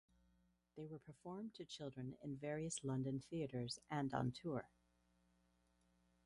They were performed to children in various London theatres and on tour.